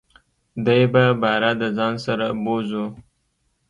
دی به باره دځان سره بوزو .